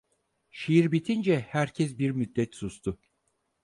Şiir bitince herkes bir müddet sustu.